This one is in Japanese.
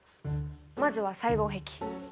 まずは細胞壁。